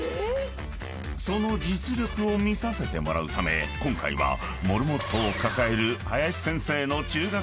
［その実力を見させてもらうため今回はモルモットを抱える林先生の中学時代の写真を用意］